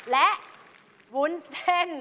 และวุ้นเทน